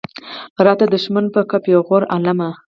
راته دښمن به کا پېغور عالمه.